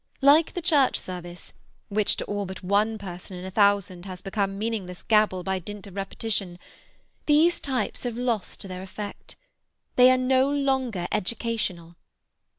Like the Church service, which to all but one person in a thousand has become meaningless gabble by dint of repetition, these types have lost their effect. They are no longer educational.